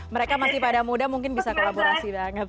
mereka masih pada muda mungkin bisa kolaborasi banget